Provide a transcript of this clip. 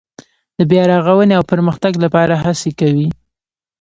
د بیا رغاونې او پرمختګ لپاره هڅې کوي.